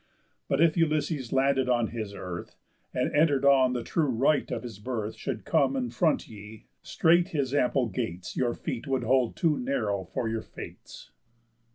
But if Ulysses, landed on his earth, And enter'd on the true right of his birth, Should come and front ye, straight his ample gates Your feet would hold too narrow for your fates."